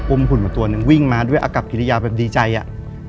หุ่นมาตัวหนึ่งวิ่งมาด้วยอากับกิริยาแบบดีใจอ่ะ